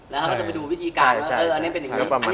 แล้วเขาก็จะไปดูวิธีการว่าอันนี้เป็นอย่างนี้